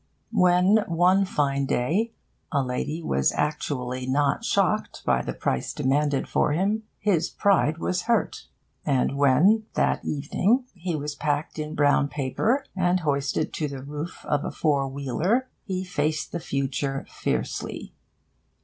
When, one fine day, a lady was actually not shocked by the price demanded for him, his pride was hurt. And when, that evening, he was packed in brown paper and hoisted to the roof of a four wheeler, he faced the future fiercely.